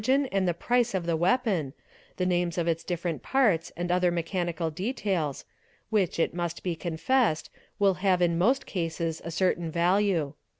IN FIREARMS O27 and the price of the weapon, the names of its different parts and other mechanical details, which, it must be confessed, will have in most cases a certain value.